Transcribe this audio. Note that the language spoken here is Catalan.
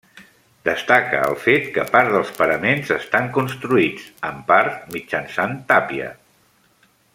Destaca el fet que part dels paraments estan construïts, en part, mitjançant tàpia.